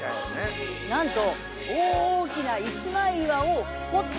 なんと。